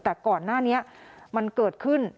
แต่ก่อนหน้านี้มันเกิดขึ้น